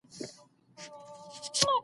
د خصوصي سکتور ونډه ډیره لویه وه.